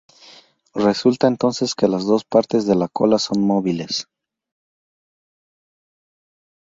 Resulta entonces que las dos partes de la cola son móviles.